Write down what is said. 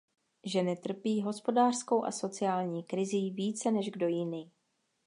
Ženy trpí hospodářskou a sociální krizí více než kdo jiný.